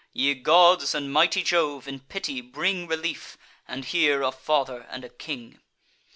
Ye gods, and mighty Jove, in pity bring Relief, and hear a father and a king!